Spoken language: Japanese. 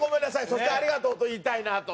そしてありがとうと言いたいなと。